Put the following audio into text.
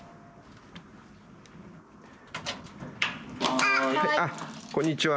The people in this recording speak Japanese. あっこんにちは。